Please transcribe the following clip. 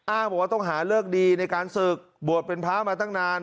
บอกว่าต้องหาเลิกดีในการศึกบวชเป็นพระมาตั้งนาน